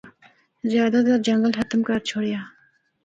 زیادہ تر جنگل ختم کر چُھڑیا۔